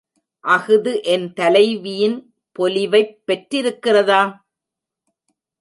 அஃது என் தலைவியின் பொலிவைப் பெற்றிருக்கிறதா?